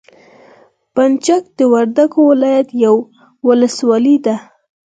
بند چک د وردګو ولایت یوه ولسوالي ده.